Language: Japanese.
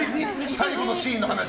最後のシーンの話？